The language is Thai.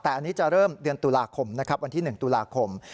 แต่อันนี้จะเริ่มเดือนตุลาคมนะครับวันที่๑ตุลาคม